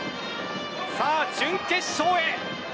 さあ、準決勝へ。